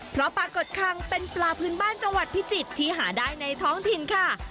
เพราะปลากดคังเป็นปลาพื้นบ้านจังหวัดพิจิตรที่หาได้ในท้องถิ่นค่ะ